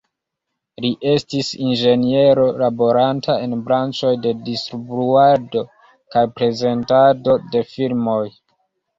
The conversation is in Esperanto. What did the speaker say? Li estis inĝeniero laboranta en branĉoj de distribuado kaj prezentado de filmoj.